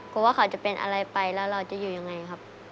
ว่าเขาจะเป็นอะไรไปแล้วเราจะอยู่ยังไงครับ